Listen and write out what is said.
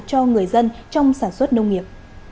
cho người dân trong sản xuất nông nghiệp